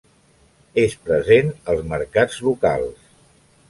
És present als mercats locals.